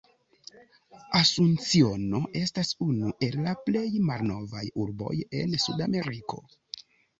Asunciono estas unu el la plej malnovaj urboj en Sudameriko.